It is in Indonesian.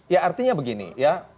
ya artinya begini ya